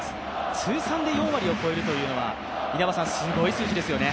通算で４割を超えるというのはすごい数字ですよね。